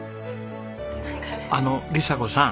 あの理咲子さん